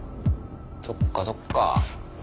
そっかそっか。